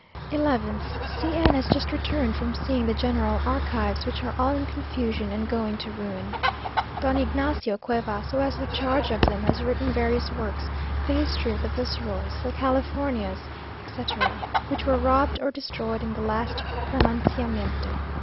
11th. C n has just returned from seeing the general archives, which are all in confusion and going to ruin. Don Ygnacio Cuevas, who has the charge of them, has written various works the History of the Viceroys the Californias, etc. which were robbed or destroyed in the last pronunciamiento.